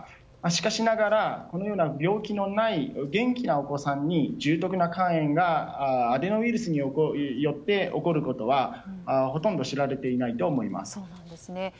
しかしながら病気のない元気なお子さんに重篤な肝炎がアデノウイルスによって起こることは、ほとんど知られていないと思います。